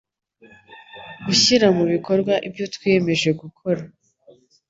gushyira mu bikorwa ibyo twiyemeje gukora